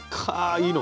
いいの？